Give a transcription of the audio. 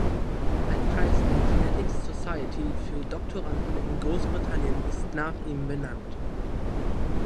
Ein Preis der Genetics Society für Doktoranden in Großbritannien ist nach ihm benannt.